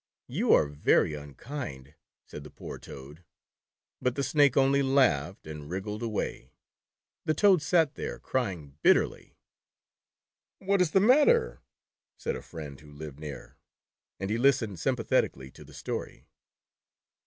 "You are very unkind," said the poor Toad, but the Snake only laughed and wriggled away. The Toad sat there, crying bitterly. "What is the matter?" said a friend who lived near, and he listened sympathetically to the story.